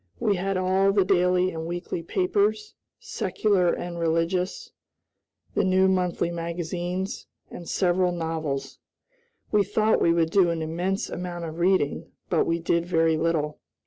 We had all the daily and weekly papers, secular and religious, the new monthly magazines, and several novels. We thought we would do an immense amount of reading, but we did very little.